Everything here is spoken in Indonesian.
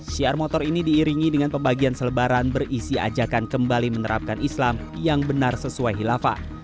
syiar motor ini diiringi dengan pembagian selebaran berisi ajakan kembali menerapkan islam yang benar sesuai hilafah